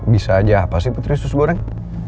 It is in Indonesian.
bisa aja apa sih putri susu goreng